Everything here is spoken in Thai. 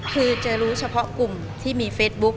คือจะรู้เฉพาะกลุ่มที่มีเฟซบุ๊ค